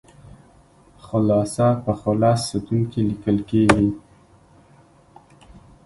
خلاصه په خلص ستون کې لیکل کیږي.